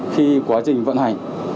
khi quá trình vận hành